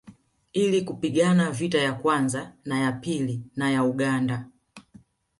Ili kupigana vita ya kwanza na ya pili na ya Uganda